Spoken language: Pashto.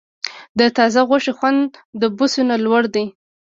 د تازه غوښې خوند د بوسو نه لوړ دی.